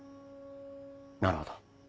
なるほど。